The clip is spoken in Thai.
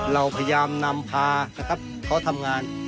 เราพยายามนำพานะครับเขาทำงาน